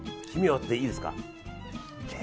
黄身割っていいですか。